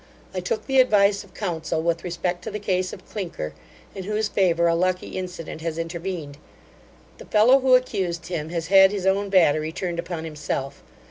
I took the advice of counsel with respect to the case of Clinker, in whose favour a lucky incident has intervened. The fellow who accused him, has had his own battery turned upon himself.